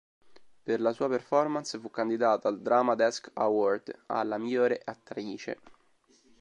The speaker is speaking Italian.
Per la sua performance fu candidata al Drama Desk Award alla migliore attrice.